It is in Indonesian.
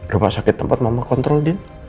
rumah sakit tempat mama kontrol din